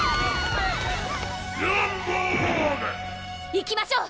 いきましょう！